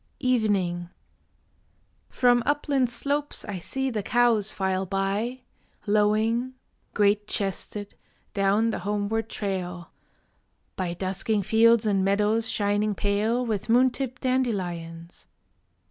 EVENING From upland slopes I see the cows file by, Lowing, great chested, down the homeward trail, By dusking fields and meadows shining pale With moon tipped dandelions.